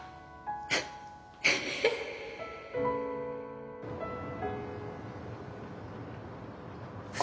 フッフフ。